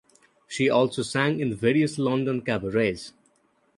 She also sang in various London cabarets.